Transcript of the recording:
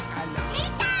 できたー！